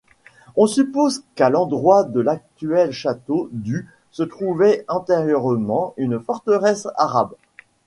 On suppose qu'à l'endroit de l'actuel château du se trouvait antérieurement une forteresse arabe.